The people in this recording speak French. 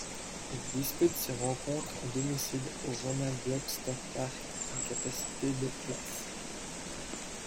Elle dispute ses rencontres à domicile au Ronald Webster Park d'une capacité de places.